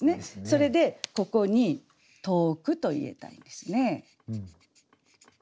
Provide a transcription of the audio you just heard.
それでここに「遠く」と入れたいんですね。